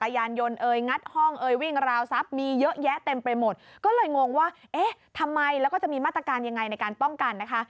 ยังไงในการป้องกันนะคะ